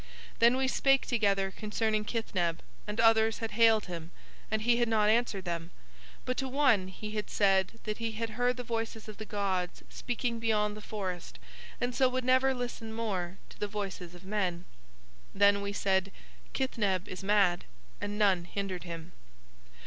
"Then we spake together concerning Kithneb, and others had hailed him, and he had not answered them, but to one he had said that he had heard the voices of the gods speaking beyond the forest and so would never listen more to the voices of men. "Then we said: 'Kithneb is mad,' and none hindered him.